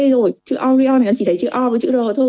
rồi chữ orion thì nó chỉ lấy chữ o với chữ r thôi